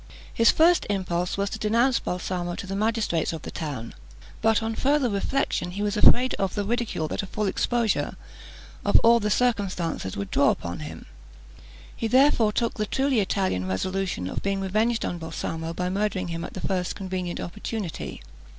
His first impulse was to denounce Balsamo to the magistrates of the town; but on further reflection he was afraid of the ridicule that a full exposure of all the circumstances would draw upon him; he therefore took the truly Italian resolution of being revenged on Balsamo, by murdering him at the first convenient opportunity.